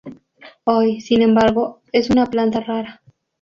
Hoy, sin embargo, es una planta rara.